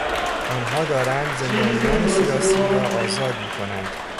آنها دارند زندانیان سیاسی را آزاد میکنند.